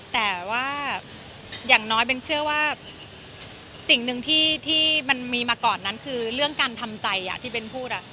แต่ว่าอย่างน้อยเบ้นเชื่อว่าสิ่งหนึ่งที่มันมีมาก่อนนั้นคือเรื่องการทำใจที่เบ้นพูด